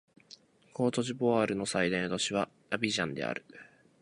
コートジボワールの最大都市はアビジャンである